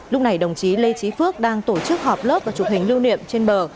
lúc này đồng chí lê trí phước đang tổ chức họp lớp và chụp hình lưu niệm trên bờ